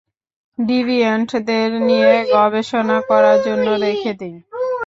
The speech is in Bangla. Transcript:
ডিভিয়েন্টদের নিয়ে গবেষণা করার জন্য রেখে দিই।